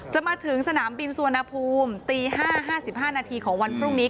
จะมาถึงสนามบินสุวรรณภูมิตี๕๕นาทีของวันพรุ่งนี้